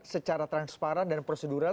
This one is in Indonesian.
secara transparan dan prosedural